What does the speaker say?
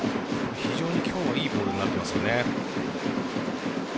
非常に今日は良いボールを投げていますね。